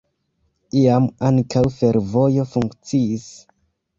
Iam ankaŭ fervojo funkciis.